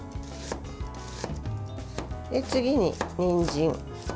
次に、にんじん。